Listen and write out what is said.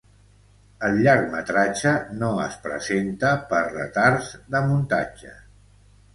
El llargmetratge no es presenta per retards de muntatge.